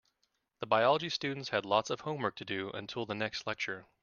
The biology students had lots of homework to do until the next lecture.